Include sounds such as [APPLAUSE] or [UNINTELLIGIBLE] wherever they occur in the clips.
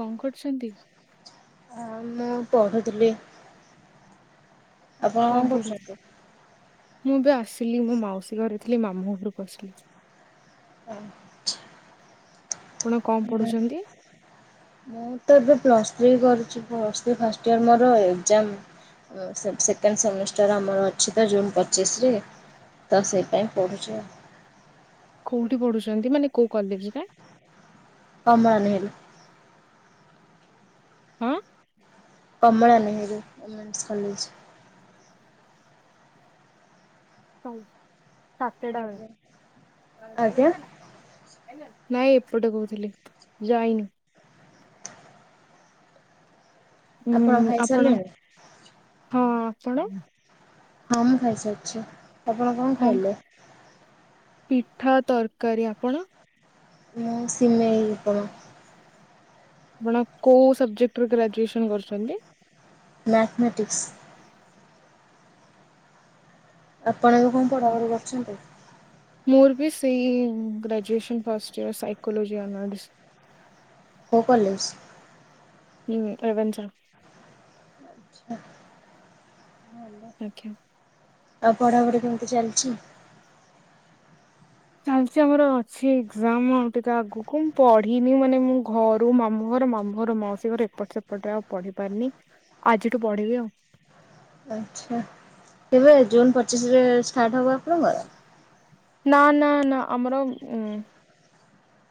କଣ କରୁଚନ୍ତି? ଆ ମୁଁ ପଢୁଥିଲି। କଣ ପଢୁଚି ମୁଁ ଏବେ ଆସିଲି ମୋ ମାଉସୀ ଘରେ ଥିଲି ମାମୁଁ ଘରକୁ ଆସିଲି। ଅ। ଆପଣ କଣ ଏ ପଢୁଛନ୍ତି? ମୁଁ ତ ଏବେ ପ୍ଲସ୍ ଥ୍ରୀ କରୁଚି ପ୍ଲସ୍ ଥ୍ରୀ ଫାଷ୍ଟ ଇୟର ମୋର ଏକ୍ଜାମ୍। ସେକେଣ୍ଡ ସେମିଷ୍ଟାର ଆମର ଅଛି ତ ଜୁନ୍ ପଚିଶ୍ ରେ। ତ ସେଇପାଇଁ ପଢୁଚି ଆଉ। କୋଉଠି ପଢୁଚନ୍ତି ମାନେ କୋଉ କଲେଜରେ କମା ନ ହେଲି। ହୁଁ। Kamala Nehru women's college. କାଇଚି ସାତଟା ଆଜ୍ଞା। ବେଳେ ଆଜ୍ଞା କଲେଜ୍ ଥିଲା। ନାଇଁ ଏପଟେ କହୁଥିଲି ଯାଇନି। ଆପଣ ହୁଁ ଆପଣ ଖାଇସାରିଲେଣି? ହଁ ଆପଣ? ହଁ ମୁଁ ଖାଇସାରିଚି ଆପଣ କଣ ଖାଇଲେ? ପିଠା ତରକାରୀ ଆପଣ? ମୁଁ ସିମେଇ ଉପମା। ଆପଣ କୋଉ ସବଜେକ୍ଟରେ ଗ୍ରାଜୁଏସନ କରୁଚନ୍ତି? ମ୍ୟାଥମେଟିକ୍ସ। ଆପଣ ଏବେ କଣ ପଢାପଢି କରୁଚନ୍ତି। ମୋର ବି ସେଇ graduation first year psychology honours. କୋଉ କଲେଜ୍? ହୁଁ ରେଭେନ୍ସା। ଆଚ୍ଛା ଭଲ। ଆଜ୍ଞା। ଆଉ ପଢାପଢି କେମିତି ଚାଲିଚି? ଚାଲିଚି ଆମର ଅଛି ଏକ୍ଜାମ୍ ଆଉ ଟିକେ ଆଗକୁ ମୁଁ ପଢିନି ମାନେ ମୁଁ ଘରୁ ମାମୁଁ ଘର ମାମୁଁ ଘରୁ ମାଉସୀ ଘର ଏପଟ ସେପଟ ଆଉ ପଢି ପାରିନି ଆଜିଠୁ ପଢିବି ଆଉ। ଆଚ୍ଛା ତେବେ ଜୁନ୍ ପଚିଶ୍ ରେ ଷ୍ଟାର୍ଟ ହବ ଆପଣଙ୍କର? ନା ନା ନା ଆମର ଉଁ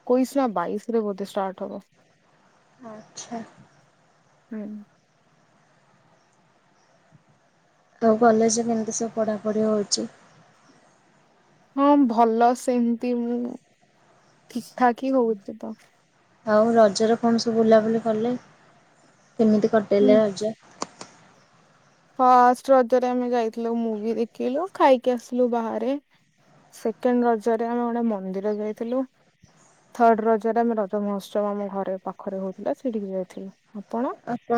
ଏକୋଇଶି ନା ବାଇଶରେ ବୋଧେ ଷ୍ଟାଟ ହବ। ଆଚ୍ଛା। ହୁଁ ଉୁଁ। ତୋ କଲେଜରେ କେମିତି ସବୁ ପଢାପଢି ହଉଛି? ହଁ ଭଲ ସେମିତି ମୁଁ ଠିକ ଠାକହିଁ ହଉଛିତ। ଆଉ ରଜରେ କଣ ସବୁ ବୁଲାବୁଲି କଲେ କେମିତି ହୁଁ, କଟେଇଲେ ରଜ? ଫାଷ୍ଟ ରଜରେ ଆମେ ଯାଇଥିଲୁ ମୁଭିଦେଖିଲୁ ଖାଇକି ଆସିଲୁ ବାହାରେ। ସେକେଣ୍ଡ ରଜରେ ଆମେ ଗୋଟେ ମନ୍ଦିର ଯାଇଥିଲୁ। ଥର୍ଡ ରଜରେ ଆମେ ରଜମହୋତ୍ସବ ଆମ ଘରେପାଖରେ ହଉଥିଲା ସେଇଠିକି ଯାଇଥିଲୁ ଆପଣ? ଆପଣ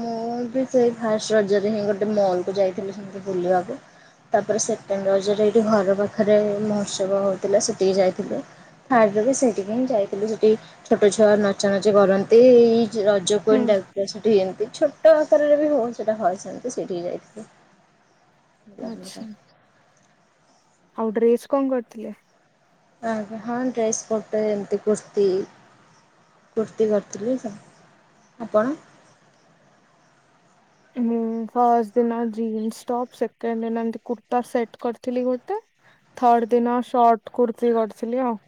ମୁଁବି ସେଇ ଫାଷ୍ଟରଜରେହିଁ ଗୋଟେ ମଅଲକୁ ଯାଇଥିଲି ସମ ବୁଲିବାକୁ। ତାପରେ ସେକେଣ୍ଡ ରଜରେ ଏଇଠି ଘରପାଖରେ ମହୋତ୍ସବ ହଉଥିଲା ସେଠିକି ଯାଇଥିଲେ। ଥାର୍ଡରେବି ସେଇଠିକିହିଁ ଯାଇଥିଲୁ ସେଠି ଛୋଟ ଛୁଆ ନଚାନଚି କରନ୍ତି ଏଇଯେ ରଜ [UNINTELLIGIBLE] ହୁଁ ସେଠି ଏମିତି ଛୋଟ। ତ ଆକାରରେବି ହଉଚି ସେଟା ହଉଛନ୍ତି ସେଇଠିକି ଯାଇଥଲୁ ଆଚ୍ଛା [UNINTELLIGIBLE] ଆଉ ଡ୍ରେସ କଣ କରିଥିଲେ? ଅହ ହଁ ଡ୍ରେସ ଗୋଟେ ଏମତି କୁର୍ତ୍ତି। କୁର୍ତ୍ତି କରିଥିଲି ସେ ଆପଣ? ହୁଁ ଫାର୍ଷ୍ଟ ଦିନ ଜୀନ୍ସ ଟପ ସେକେଣ୍ଡ ଦିନ ଏମିତି କୁର୍ତ୍ତା ସେଟ କରଥିଲି ଗୋଟେ। ଥର୍ଡ ଦିନ ସର୍ଟକୁର୍ତ୍ତି କରିଥିଲି ଆଉ।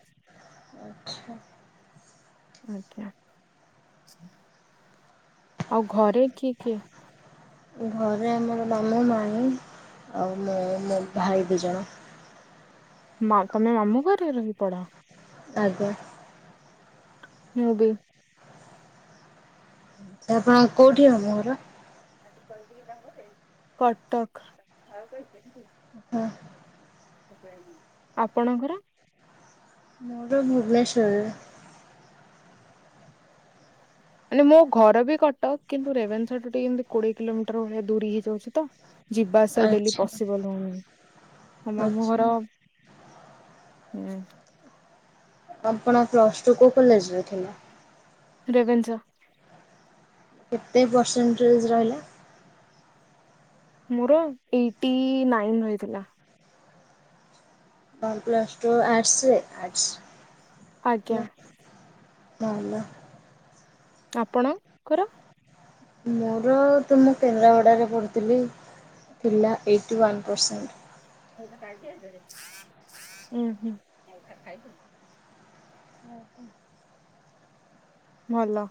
ଆଚ୍ଛା। ଆଜ୍ଞା ଆଉ ଘରେ କିଏ କିଏ? ଘରେ ଆମର ମାମୁଁ ମାଇଁ ଆଉ ମୁଁ ମୋ ଭାଇ ଦୁଇଜଣ। ମା ତମେ ମାମୁଁ ଘରେ ରହିକି ପଢ଼। ଆଜ୍ଞା। ମୁଁବି। ଆପଣ କୋଉଠି ମାମୁଁ ଘର? କଟକ। ହଁ। ଆପଣଙ୍କର? ମୋର ଭୁବନେଶ୍ଵର। ମାନେ ମୋ ଘରବି କଟକ କିନ୍ତୁ ରେଭେନ୍ସାଠୁ ଟିକିଏ ଏମିତି କୋଡିଏ କିଲୋମିଟର ଭଳିଆ ଦୂରି ହେଇଯାଉଛିତ। ଯିବା ଆସିବା ଡେଲି ଆଚ୍ଛା ପସିବୁଲ ହଉନି ଓ ମାମୁଁ ଆଚ୍ଛା ଘର [UNINTELLIGIBLE] ଆପଣ ପ୍ଲସ ଟୁ କୋଉ କଲେଜରେ ଥିଲା? ରେଭେନ୍ସା। କେତେ ପରସେଣ୍ଟେଜ୍ ରହିଲା? ମୋର ଏଇଟି ନାଇନ ରହିିଥିଲା। [UNINTELLIGIBLE] ପ୍ଲସ୍ ଟୁ ଆର୍ଟସରେ ଆର୍ଟସ ଆଜ୍ଞା [UNINTELLIGIBLE] ଭଲ। ଆପଣଙ୍କର? ମୋର ତ ମୁଁ କେନ୍ଦ୍ରାପଡ଼ାରେ ପଢୁଥିଲି ଥିଲା ଏଇଟି ୱାନ ପରସେଣ୍ଟ। ଉୁଁ ହୁଁ। [UNINTELLIGIBLE] ଭଲ।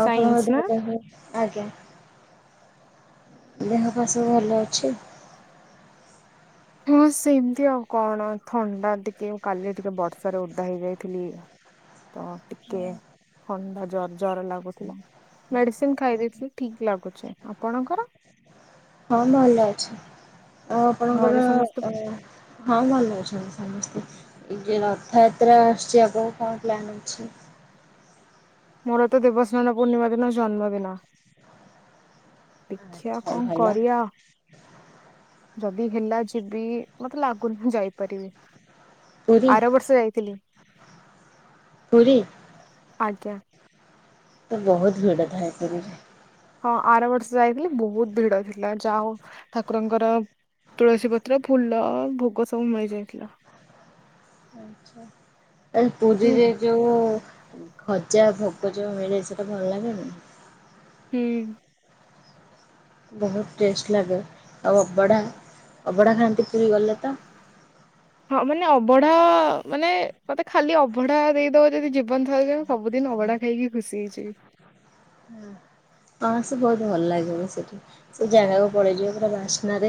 ଆଉ ସାଇନ୍ସ ଆପଣଙ୍କ ନା? ଦେହ କେମିତି ଅଛି, ଆଜ୍ଞା। ଦେହ ପା ସବୁ ଭଲ ଅଛି? ହଁ ସେମିତି ଆଉ କଣ ଥଣ୍ଡା ଟିକେ କାଲି ଟିକେ ବର୍ଷାରେ ଓଦା ହେଇଯାଇଥିଲି। ତ ଟିକେ ଥଣ୍ଡା ଜର ଜର ଲାଗୁଥିଲା। ମେଡିସିନ୍ ଖାଇ ଦେଇଥିଲି ଠିକ୍ ଲାଗୁଛି, ଆପଣଙ୍କର? ହଁ ଭଲ ଅଛି ଆଉ ଘରେ ଆପଣଙ୍କର ସମସ୍ତେ ହଁ ଭଲଉଛନ୍ତି ସମସ୍ତେ ଏ ରଥଯାତ୍ରା ଆସୁଛି ଆଗକୁ କଣ ପ୍ଲାନ୍ ଅଛି? ମୋର ତ ଦେବସ୍ନାନ ପୂର୍ଣିମାର ଦିନ ଜନ୍ମଦିନ। ଦେଖିବା ଆଚ୍ଛା କଣ ଭଲ କରିଆ। ଯଦି ହେଲା ଯିବି ମତେ ଲାଗୁନି ମୂ ଯାଇପାରିବି। ପୁରୀ ଆର ବର୍ଷ ଯାଇଥିଲି ପୁରୀ ଆଜ୍ଞା। ତ ବହୁତ ଭିଡ ଥାଏ ପୁରୀ। ହଁ ଆର ବର୍ଷ ଯାଇଥିଲି ବହୁତ ଭିଡ ଥିଲା ଯା ହଉ ଠାକୁରଙ୍କର ତୁଳସୀ ପତ୍ର ଫୁଲ ଭୋଗ ସ ଆଛା ଏ ପୁରି ହୁଁ ରେ ଯୋଉ ଖଜା ଭୋଗ ଯୋଉ ମିଳେ ସେଟା ଭଲ ଲାଗେନି। ହୁଁ। ବହୁତ ଟେଷ୍ଟ ଲାଗେ ଆଉ ଅବଢ଼ା ଅବଢ଼ା ଖାଆନ୍ତି ପୁରୀ ଗଲେ ତ। ହଁ ମାନେ ଅବଢା ମାନେ ମତେ ଖାଲି ଅବଢା ଦେଇଦବ ଯଦି ଜୀବନ ଧଥର ଯ ସବୁଦିନ ଅଭଡା ଖାଇକି ଖୁସି ହେଇଜିବି। ହଁସେ ବହୁତ ଭଲ ଲାଗିବ ସେଠି। ସେ ଜାଗାକୁ ପଳେଇ ଯିବ ପୁରା ବାସ୍ନାରେ।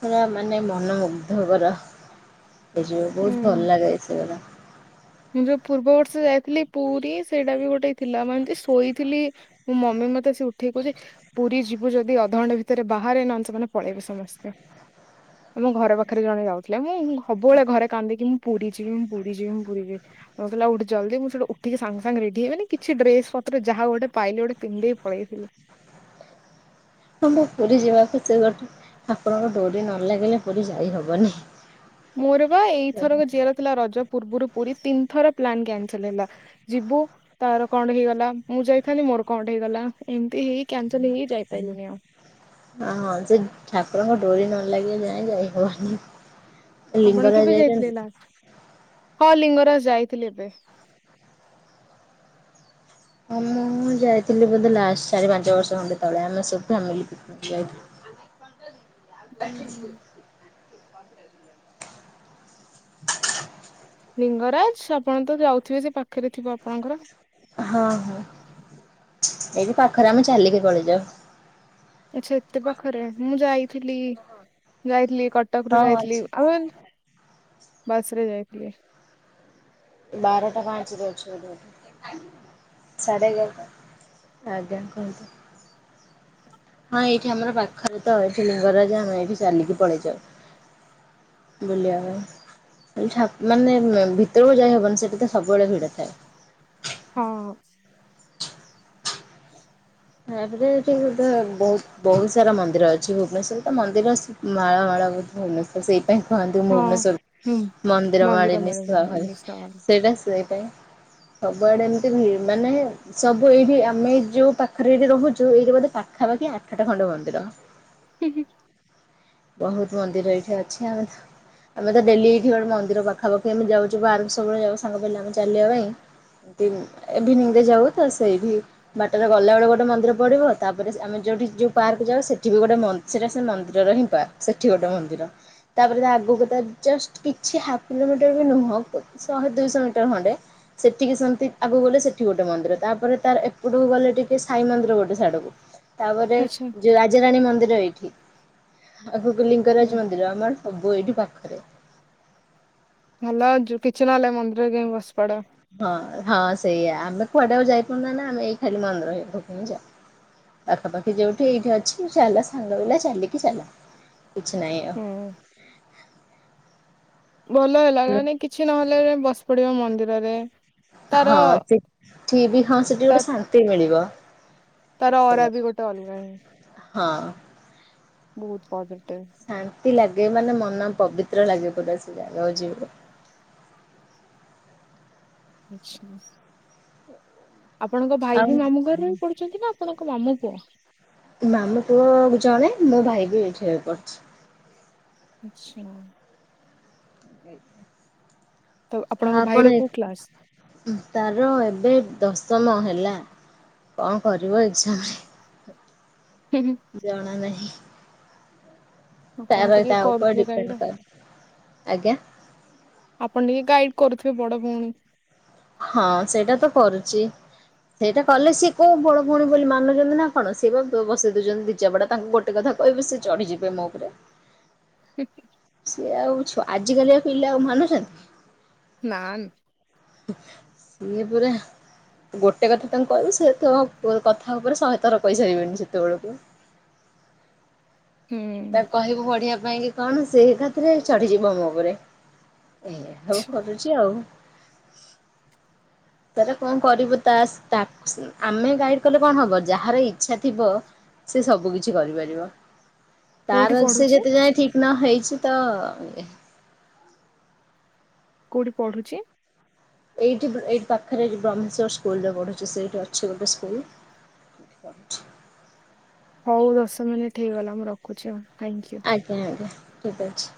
ପୁରା ମାନେ ମନ ମୁୁଗ୍ଧ କର ହେଇଯିବ ଉଁ ବହୁତ ଭଲ ଲାଗେ ସେଯାଟା। ମୁଁ ଯୋଉ ପୂର୍ବବର୍ଷ ଯାଇଥିଲି ପୁରୀ ସେଇଟା ବି ଗୋଟେ ଥିଲା ମାନେ ଶୋଇଥିଲି। ମୋ ମମି ମତେ ଆସି ଉଠେଇ କହୁଛି ପୁରୀ ଯିବୁ ଯଦି ଅଧଘଣ୍ଟା ଭିତରେ ବାହାରେ ନହଲେ ସେ ମାନେ ପଳେଇବେ ସମସ୍ତେ। ମୋ ଘର ପାଖରେ ଜଣେ ଯାଉଥିଲେ ମୁଁ ସବୁବେଳେ ଘରେ କାନ୍ଦିକି ମୁଁ ପୁରୀ ଯିବି ମୁଁ ପୁରୀ ଯିବି ମୁଁ ପୁରୀ ଯିବି। ହଉଥିଲା ଉଟ, ଜଲଦିଁ ମୁଁ ସେଟୁ ଉଠିକି ସାଙ୍ଗ ସାଙ୍ଗ ରେଡି ହେଇଗଲି କିଛି ଡ୍ରେସ୍ ପତ୍ର ଯାହା ଗୋଟେ ପାଇଲି ଗୋଟେ ପିନ୍ଧଦେଇ ପଳେଇଥିଲି। ହଁ ମୁଁ ପୁରୀ ଯିବାକୁ କେବେଠୁ ଠାକୁରଙ୍କ ଡୋରି ନ ଲାଗିଲେ ପୁରୀ ଯାଇହବନି। ମୋର ବା ଏଇଥର ଯିବାର ଥିଲା ରଜ ପୂର୍ବରୁ ପୁରୀ ତିନି ଥର ପ୍ଲାନ କ୍ୟାନସଲ ହେଲା। ଯିବୁ। ତାର କଣ ହେଇଗଲା ମୁଁ ଯାଇଥାନ୍ତିି ମୋର କଣ ହେଇଗଲା ଏମିତି ହେଇ କାଞ୍ଚନ ହେଇକି ଯାଇପାରିଲିନି ଆଉ। ଆ ହଁ ସେ ଠାକୁରଙ୍କ ଡୋରି ନ ଲାଗିଲା ଯାଏ ଯାଇ ହବନି। ଆପଣ ଲିଙ୍ଗରଜ କେବେ ଯାଇଥିଲେ ଯାଇଛନ୍ତି। ଲାଷ୍ଟ ହଁ ଲିଙ୍ଗରାଜ ଯାଇଥିଲି ଏବେ। ହଁ ମୁଁ ଯାଇଥିଲି ବୋଧେ ଲାଷ୍ଟ ଚାରି ପାଞ୍ଚ ବର୍ଷ ଖଣ୍ଡେ ତଳେ ଆମେ ସବୁ ଫ୍ୟାମିଲୀ ଯାଇଥିଲୁ। ଆ। ହୁଁ ହୁଁ ି ଲିଙ୍ଗରାଜ ଆପଣ ତ ଯାଉଥିବେ ସେ ପାଖରେ ଥିବ ଆପଣଙ୍କର? ହଁ ହଁ ଏଇଠି ପାଖରେ ଆମେ ଚାଲିକି ପଳେଇଯାଉ। ଆଚଛା ଏତେ ପାଖରେ ମୁଁ ଯାଇଥିଲି ଯାଇଥିଲି କଟକ ରୁ ହଁ ହଁ ଯାଇଥିଲି ଅଛି। ଆଉ ବସରେ ଯାଇଥିଲି। ବାରଟା ପାଞ୍ଚରେ ଅଛି ବୋଧ ସାଢେ ଏଗାରଟା ଆଜ୍ଞା କୁହନ୍ତୁ? ହଁ ଏଇଠି ଆମର ପାଖରେ ତ ଏଠି ଲିଙ୍ଗରାଜ ଆମେ ଏଇଠି ଚାଲିକି ପଳେଇ ଯାଉ। ବୁଲିଆପାଇଁ। [UNINTELLIGIBLE] ମାନେ ଭିତରକୁ ଯାଇ ହବନି ସେଟି ତ ସବୁବେଳେ ଭିଡ଼ ଥାଏ। ହଁ। ହଁ ଏବେତ ଏଠି [UNINTELLIGIBLE] ବହୁତ ବହୁତ ସାରା ମନ୍ଦିର ଅଛି ଭୁବନେଶ୍ଵର ତ ମନ୍ଦିର ସ ମାଳ ମାଳ ବହୁତ ଫେମସ୍। ତ ସେଇଥି ପାଇଁ କୁହନ୍ତୀ ହଁ [UNINTELLIGIBLE] ହୁଁ ମନ୍ଦିର ମାଳିନୀ [UNINTELLIGIBLE] ସହ ସେଇଟା ସେଇଟା ହିଁ। ସବୁଆଡ଼େ ଏମିତି ହୁଏ ମାନେ ସବୁ ଏଇଠି ଆମେ ଯୋଉ ପା ପାଖରେ ଏଇଠି ରହୁଛୁ ଏଇଠି ବୋଧେ ପାଖପାଖି ଆଠଟା ଖଣ୍ଡେ ମନ୍ଦିର? [UNINTELLIGIBLE] ବହୁତ ମନ୍ଦିର ଏଇଠି ଅଛି ଆଉ। ଆମେ ତ ଡେଲି ଏଇଠି ଗୋଟେ ମନ୍ଦିର ପାଖାପାଖି ଆମ ଯାଉଛୁ ବାହାରକୁ ସବୁବେଳେ ଯାଉ ସାଙ୍ଗ ପିଲାମାନେ ଆମେ ଚାଲିଆ ପାଇଁ। ଏମତି [UNINTELLIGIBLE] ଯାଉ ତ ସେଇଠି ବାଟରେ ଗଲାବେଳେ ଗୋଟେ ମନ୍ଦିର ପଡ଼ିବ। ତାପରେ ଆମେ ଯୋଉଠି ଯୋଉ ପାର୍କ ଯାଉ ସେଠି ବି ଗୋଟେ ମନ୍ଦ ସେଇଟା ସେଇ ମନ୍ଦିରର ହିଁ ତା ସେଠି ଗୋଟେ ମନ୍ଦିର। ତାପରେ ତା ଆଗକୁ ତ ଜଷ୍ଟ କିଛି ହାଫ୍ କିଲୋମିଟର ବି ନୁହଁ। ଶହେ ଦୁଇଶହ ମିଟର ଖଣ୍ଡେ। ସେତିକି ସେମିତି ଆଗକୁ ଗଲେ ସେଠି ଗୋଟେ ମନ୍ଦିର ତାପରେ ତାର ଏପଟକୁ ଗଲେ ଟିକେ ସାଇ ମନ୍ଦିର ଗୋଟେ ସାଆଡ଼କୁ। ତାପରେ ଆଚ୍ଛା ଯୋଉ ରାଜାରାଣୀ ମନ୍ଦିର ଏଇଠି। ଆଗକୁ ହୁଁ ଲିଙ୍ଗରାଜ ମନ୍ଦିର ଆମର ସବୁ ଏଇଠି ପାଖରେ। ଭଲ ଯୋଉ କିଛି ନ ହେଲେ ମନ୍ଦିରରେ ଯାଇ ବସି ପଡ଼। ହଁ ହଁ ସେଇଆ ଆମେ କୁଆଡ଼େ ଆଉ ଯାଇପାରୁନୁ ନା ଆମେ ଏଇ ଖାଲି ମନ୍ଦିର ହେରିକାକୁ ହିଁ ଯା ପାଖାପାଖି ଯୋଉଠି ଏଇଠି ଅଛି ଚାଲ ସାଙ୍ଗପିଲା ଚାଲିକି ଚାଲ। କିଛି ନାହିଁ ଆଉ। ହୁଁ ଭଲ ହେଲା ହ୍ୟାଲୋ। କାହିଁକି ନା କିଛି ନହେଲେ ବସି ପଡ଼ିବ ମନ୍ଦିରରେ। ହଁ ତାର [UNINTELLIGIBLE] ହଁ ସେଠି ତା ଗୋଟେ ଶାନ୍ତି ମିଳିବ। ତାର ଅରା ବି ଗୋଟେ ଅଲଗା ହିଁ ହଁ। ବହୁତ ପଜିଟିଭ। ଶାନ୍ତି ଲାଗେ ମାନେ ମନ ପବିତ୍ର ଲାଗେ ଗୋଟା ସେ ଜାଗାକୁ ଯିବୁ। ଆଚ୍ଛା। ଆପଣଙ୍କ ଭାଇ ଆଉ ବି ମାମୁଁ ଘରେ ରହିକି ପଢ଼ୁଛନ୍ତି ନା ଆପଣଙ୍କ ମାମୁଁ ପୁଅ? ମାମୁଁ ପୁଅ ଜଣେ ମୋ ଭାଇ ବି ଏଇଠିରେ ପଢ଼ୁଛି। ଆଚ୍ଛା। [UNINTELLIGIBLE] ତ ଆପଣଙ୍କ ହ ଭାଇର ଆପଣ ଏ କୋଉ କ୍ଲାସ ତାର ଏବେ ଦଶମ ହେଲା। କଣ କରିବ ଏକ୍ଜାମରେ? ହୁଁ ହୁଁ। ଜଣା ନାହିଁ। ଆପଣ ତାର ଟିକେ ତା ଉପରେ କରୁଥିବେ ଡିପେଣ୍ଡ ଗାଇଡ଼ ଆଉ। କରେ। ଆଜ୍ଞା ଆପଣ ଟିକେ ଗାଇଡ୍ କରୁଥିବେ ବଡ଼ ଭଉଣୀ। ହଁ ସେଇଟା ତ କରୁଛି। ସେଇଟା କଲେ ସିଏ କୋଉ ବଡ଼ ଭଉଣୀ ବୋଲି ମାନୁଛନ୍ତି ନା କଣ ସିଏ ବା ବସେଇ ଦଉଛନ୍ତି ଦି ଚାପୁଡ଼ା ତାଙ୍କୁ ଗୋ ଏ କଥା କହିବୁ ସେ ଚଢିଯିବେ ମୋ ଉପରେ। ହୁଁ କି। ସିଏ ଆଉ ଛୁଆ ଆଜିକାଲିଆ ପିଲା ଆଉ ମାନୁଛନ୍ତି। ନାନ୍। ସିଏ ପୁରା ଗୋଟେ କଥା ତାଙ୍କୁ କହିବୁ ସିଏ ତୋ କଥା ଉପରେ ଶହେ ଥର କହିସାରିବେଣି ସେତେବେଳକୁ। ହୁଁ। ତାକୁ କହିବୁ ପଢିବା ପାଇଁ କି କଣ ସେ ଏକାଥରେ ଚଢିଯିବ ମୋ ଉପରେ। ଏ ସବୁ କରୁଛି ଆଉ। ତାର କଣ କରିବ ତାସ ତାକୁ ଆମେ ଗାଇଡ କଲେ କଣ ହବ ଯାହାର ଇଚ୍ଛା ଥିବ ସିଏ ସବୁ କିଛି କରିପାରିବ। କୋଉଠି ତାର ସେ ପଢୁଛି ଯେତେ ଯାଏଁ ଠିକ୍ ନ ହେଇଛି ତ ଏ କୋଉଠି ପଢୁଛି? ଏଇଠି ଏଇଠି ପାଖରେ ବ୍ରହ୍ମେଶ୍ୱର ସ୍କୁଲରେ ପଢ଼ୁଛି ସେଇଠି ଅଛି ଗୋଟେ ସ୍କୁଲ୍। ପାଠ। ହଉ ଦଶ ମିନିଟ୍ ହେଇଗଲା ମୁଁ ରଖୁଛି ଆଉ ଥାଇଙ୍କୁୟୁ। ଆଜ୍ଞା ଆଜ୍ଞା ଠିକ୍ ଅଛି।